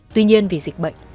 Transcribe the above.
tuy nhiên vì dịch bệnh